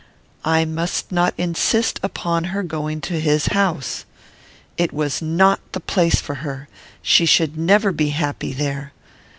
I must not insist upon her going to his house. It was not the place for her. She should never be happy there.